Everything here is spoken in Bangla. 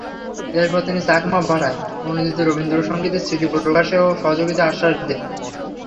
এরপর তিনি চাকমা ভাষায় অনূদিত রবীন্দ্রসংগীতের সিডি প্রকাশেও সহযোগিতার আশ্বাস দেন।